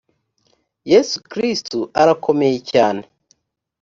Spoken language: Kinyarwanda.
yesu kristo arakomeye cyane